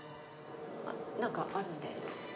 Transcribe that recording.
何かあるんで。